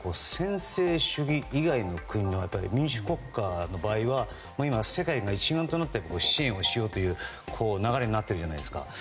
専制主義以外の国に当たる民主国家の場合は世界が一丸となって支援をしようという流れになっているじゃないですか。